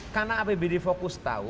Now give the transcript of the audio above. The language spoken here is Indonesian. karena apbd fokus tahu